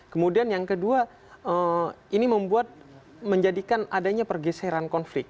kemudian yang kedua ini membuat menjadikan adanya pergeseran konflik